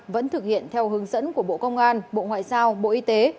vẫn thực hiện theo hướng dẫn của bộ công an bộ ngoại giao bộ y tế